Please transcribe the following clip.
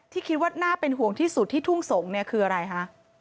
ที่คิดว่าหน้าเป็นห่วงที่สุดที่ทุ่งส่งคืออะไรฮะ